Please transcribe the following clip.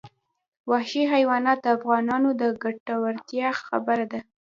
وحشي حیوانات د افغانانو د ګټورتیا برخه ده.